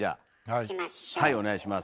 はいお願いします。